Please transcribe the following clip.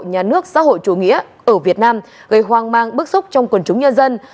nhà nước xã hội chủ nghĩa ở việt nam gây hoang mang bức xúc trong quần chúng nhân dân